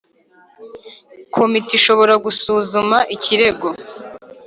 Komite ishobora gusuzuma ikirego